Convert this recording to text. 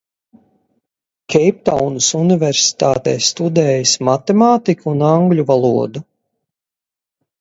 Keiptaunas Universitātē studējis matemātiku un angļu valodu.